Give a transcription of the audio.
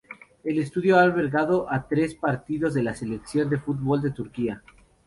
El estadio ha albergado tres partidos de la Selección de fútbol de Turquía